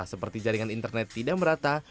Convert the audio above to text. seperti jaringan internet tidak merata